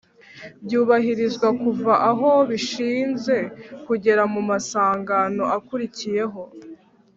byubahirizwa kuva aho bishinze kugera mu amasangano akurikiyeho